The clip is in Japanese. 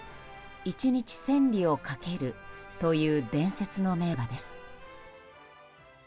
１日千里を駆けるという伝説の名馬です。